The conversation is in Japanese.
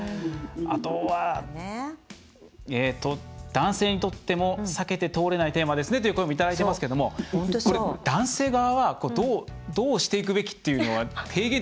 あとは「男性にとっても避けて通れないテーマですね」という声もいただいていますけどもこれ男性側はどうしていくべきというのは提言ってありますか？